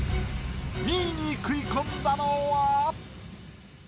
２位に食い込んだのは？